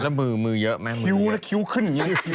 แล้วมือเยอะแม่มือเยอะคิ้วนะคิ้วขึ้น